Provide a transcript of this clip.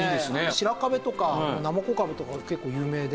白壁とかなまこ壁とかが結構有名で。